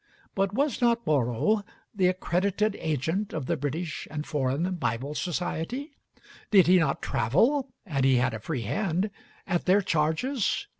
But was not Borrow the accredited agent of the British and Foreign Bible Society? Did he not travel (and he had a free hand) at their charges?